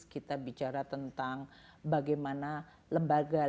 kita bicara tentang bagaimana lembaga